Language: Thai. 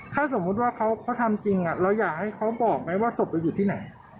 ถ้าสมมุติว่าเขาทำจริงเราอยากให้เขาบอกไหมว่าศพเราอยู่ที่ไหน